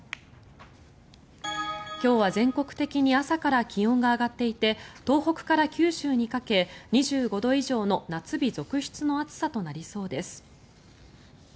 今日は全国的に朝から気温が上がっていて東北から九州にかけ２５度以上の夏日続出の暑さとなりそうです。